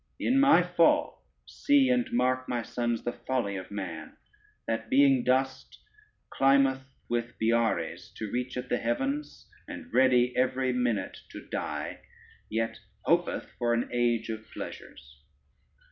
In my fall see and mark, my sons, the folly of man, that being dust climbeth with Biares to reach at the heavens, and ready every minute to die, yet hopeth for an age of pleasures.